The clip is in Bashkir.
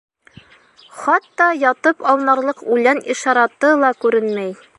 Хатта ятып аунарлыҡ үлән ишараты ла күренмәй.